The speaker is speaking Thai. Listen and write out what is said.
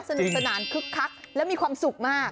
สนานคึกคักแล้วมีความสุขมาก